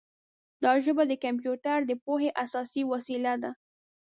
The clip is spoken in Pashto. دا ژبه د کمپیوټر د پوهې اساسي وسیله ده.